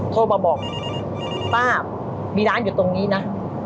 โทรมาบอกป้ามีร้านอยู่ตรงนี้นะ